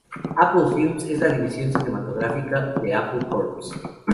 Apple Films es la división cinematográfica de Apple Corps.